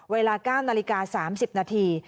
เวลา๙นาฬิกา๓๐นาที